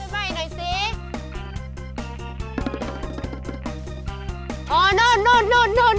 ไม่เข้าใจอะไรเนี่ยเข้าไปหน่อยสิ